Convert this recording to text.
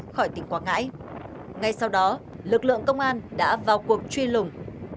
khỏi tỉnh quảng ngãi ngay sau đó lực lượng công an đã vào cuộc truy lùng